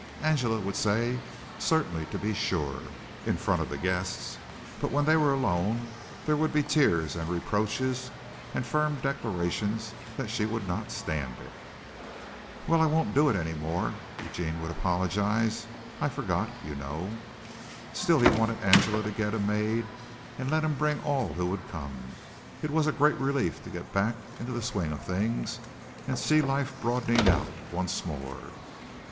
Angela would say, "Certainly, to be sure," in front of the guests, but when they were alone there would be tears and reproaches and firm declarations that she would not stand it. "Well, I won't do it any more," Eugene would apologize. "I forgot, you know." Still he wanted Angela to get a maid and let him bring all who would come. It was a great relief to get back into the swing of things and see life broadening out once more.